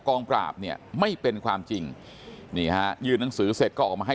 กองปราบเนี่ยไม่เป็นความจริงนี่ฮะยื่นหนังสือเสร็จก็ออกมาให้